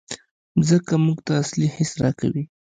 مځکه موږ ته اصلي حس راکوي.